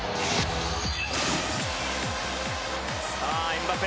さあエムバペ。